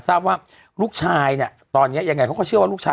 ทราบว่าลูกชายตอนนี้อย่างไรเขาเชื่อว่าลูกชาย